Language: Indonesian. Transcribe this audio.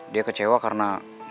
dia kecewa karena